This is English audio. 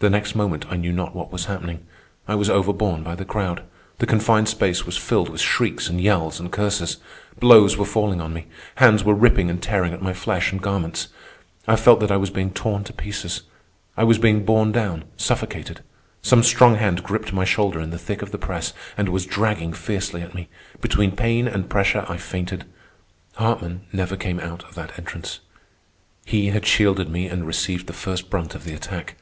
The next moment I knew not what was happening. I was overborne by the crowd. The confined space was filled with shrieks and yells and curses. Blows were falling on me. Hands were ripping and tearing at my flesh and garments. I felt that I was being torn to pieces. I was being borne down, suffocated. Some strong hand gripped my shoulder in the thick of the press and was dragging fiercely at me. Between pain and pressure I fainted. Hartman never came out of that entrance. He had shielded me and received the first brunt of the attack.